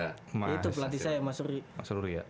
itu pelatih saya mas ruri